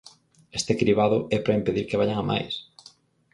Este cribado é para impedir que vaian a máis.